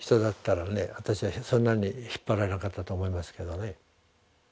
私はそんなに引っ張られなかったと思いますけどね。